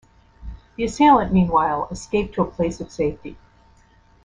The assailant meanwhile, escaped to a place of safety.